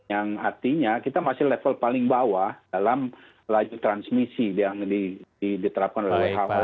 yang artinya kita masih level paling bawah dalam laju transmisi yang diterapkan oleh who